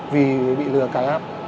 vì bị lừa cài áp